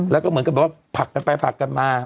แล้วก็เหมือนกับแบบว่าผักกันไปผักกันมา